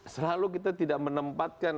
selalu kita tidak menempatkan